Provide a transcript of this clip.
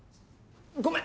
ごめん！